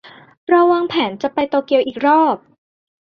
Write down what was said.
เราวางแพลนจะไปโตเกียวอีกรอบ